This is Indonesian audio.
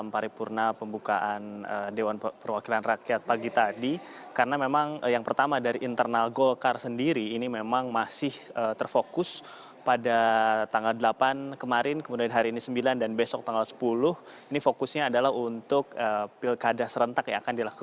pasal mana saja yang akan diubah nantinya